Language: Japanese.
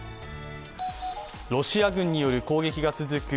ロシア軍による攻撃が続く